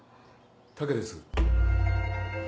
・武です。